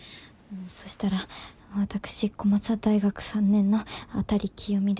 そしたら「私小正大学３年の辺清美です」